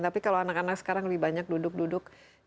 tapi kalau anak anak sekarang lebih banyak duduk duduk